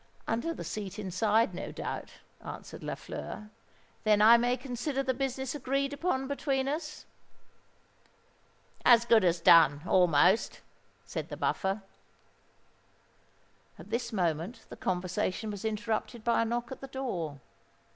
"Under the seat inside, no doubt," answered Lafleur. "Then I may consider the business agreed upon between us?" "As good as done, almost," said the Buffer. At this moment the conversation was interrupted by a knock at the door.